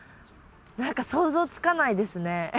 何か想像つかないですね。